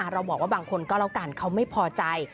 เราบอกว่าบางคนก็แล้วกันเขาไม่พอใจ